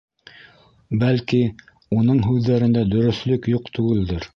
Бәлки, уның һүҙҙәрендә дөрөҫлөк юҡ түгелдер.